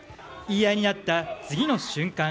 言い合いになった次の瞬間